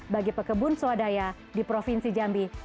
bagi pekebun swadaya di provinsi jambi